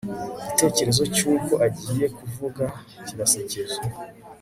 Igitekerezo cyuko agiye kuvuga kirasekeje